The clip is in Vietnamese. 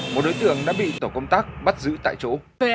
một đối tượng đã bị tổ công tác bắt giữ tại chỗ